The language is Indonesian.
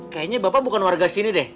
kayaknya bapak bukan warga sini deh